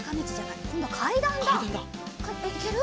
いける？